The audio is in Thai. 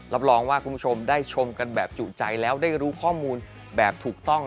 รับรองว่าคุณผู้ชมได้ชมกันแบบจุใจแล้วได้รู้ข้อมูลแบบถูกต้อง